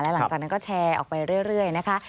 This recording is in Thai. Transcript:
หลังจากนั้นก็แชร์ออกไปเรื่อยนะคะ